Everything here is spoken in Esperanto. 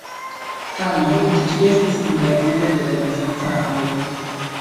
Tamen, ĝi estis invadita de la bizancanoj.